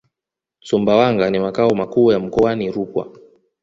Sumbawanga ni makao makuu ya mkoani Rukwa